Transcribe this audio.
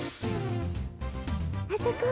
あそこ！